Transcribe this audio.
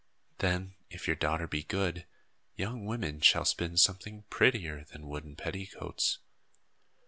Then, if your daughter be good, young women shall spin something prettier than wooden petticoats.